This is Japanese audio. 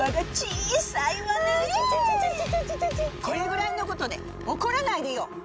これぐらいのことで怒らないでよ。